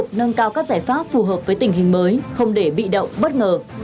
đồng hợp với tình hình mới không để bị động bất ngờ